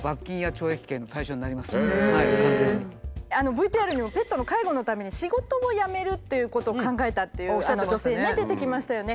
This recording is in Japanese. ＶＴＲにもペットの介護のために仕事を辞めるっていうことを考えたという女性ね出てきましたよね。